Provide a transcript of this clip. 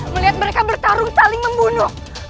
melihat mereka bertarung saling membunuh